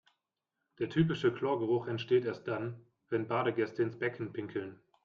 Der typische Chlorgeruch entsteht erst dann, wenn Badegäste ins Becken pinkeln.